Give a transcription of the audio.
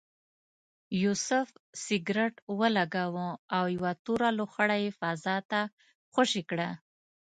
یوسف سګرټ ولګاوه او یوه توره لوخړه یې فضا ته خوشې کړه.